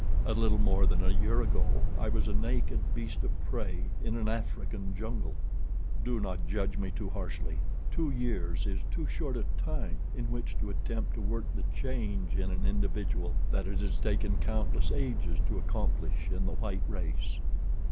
A little more than a year ago I was a naked beast of prey in an African jungle. "Do not judge me too harshly. Two years is too short a time in which to attempt to work the change in an individual that it has taken countless ages to accomplish in the white race."